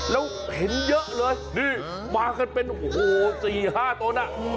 แล้วเห็นเยอะเลยนี่มากันเป็นโอ้โห๔๕ตน